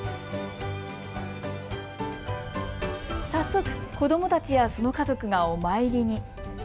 早速、子どもたちやその家族がお参りに。